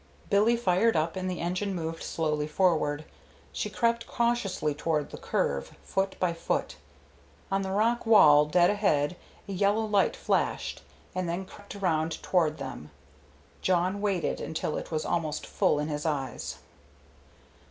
Billy fired up and the engine moved slowly forward. She crept cautiously toward the curve, foot by foot. On the rock wall dead ahead a yellow light flashed, and then crept around toward them. Jawn waited until it was almost full in his eyes.